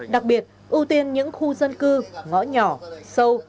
đặc biệt ưu tiên những khu dân cư ngõ nhỏ sâu